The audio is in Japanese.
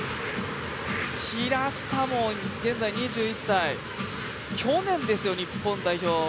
平下も現在２１歳去年ですよ、日本代表。